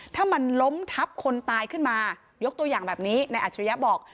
ถ้ามันล้มทับคนตายขึ้นมายกตัวอย่างแบบนี้นายอัจฉริยะบอก